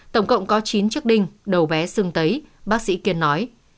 tổng cộng có chín chiếc đinh đầu bé xương tấy bác sĩ kiên nói